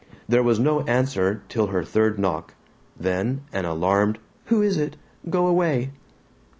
There was no answer till her third knock; then an alarmed "Who is it? Go away!"